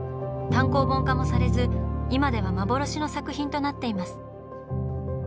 単行本化もされず今では幻の作品となっています。